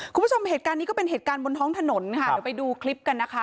คุณผู้ชมเหตุการณ์นี้ก็เป็นเหตุการณ์บนท้องถนนค่ะเดี๋ยวไปดูคลิปกันนะคะ